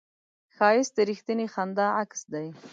ښایست د رښتینې خندا عکس دی